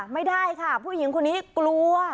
ไม่ได้ค่ะผู้หญิงคนนี้กลัว